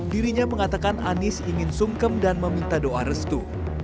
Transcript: dirinya mengatakan anies ingin sungkem dan meminta doa restu